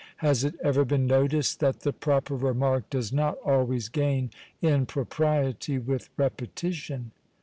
Has it ever been noticed that the proper remark does not always gain in propriety with repetition?